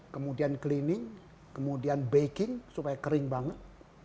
kemudian cleaning kemudian baking supaya kering banget